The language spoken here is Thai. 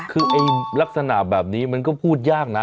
คือลักษณะแบบนี้มันก็พูดยากนะ